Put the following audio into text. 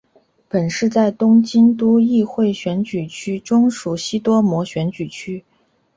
本市在东京都议会选举区中属西多摩选举区。